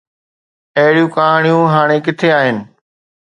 اهڙيون ڪهاڻيون هاڻي ڪٿي آهن؟